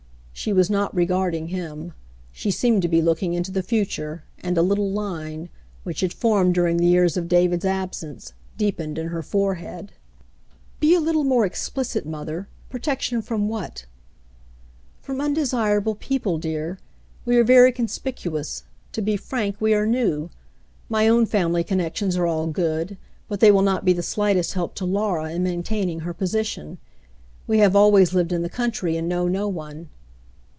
She was not regarding him. She seemed to be looking into the future, and a little line, which had formed during the years of David's absence, deepened in her forehead. 232 The Mountain Girl "Be a little more explicit, mother. Protection from what ?" "From undesirable people, dear. We are very con spicuous ; to be frank, we are new. My own family con nections are all good, but they will not be the slightest help to Laura in maintaining her position. We have always lived in the country, and know no one."